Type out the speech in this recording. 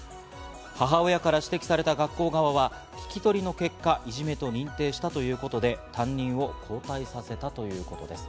母親から指摘された学校側は聞き取りの結果、いじめと認定したということで、担任を交代させたということです。